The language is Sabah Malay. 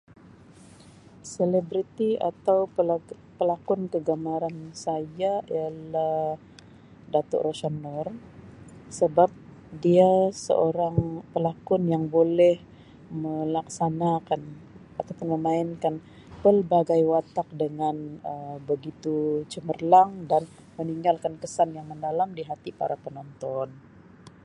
Selebriti atau pela-pelakon kegemaran saya ialah Dato' Rosyam Nor sebab dia seorang pelakon yang boleh melaksanakan atau pun memainkan pelbagai watak dengan Um begitu cemerlang dan meninggalkan kesan yang mendalam di hati para penonton.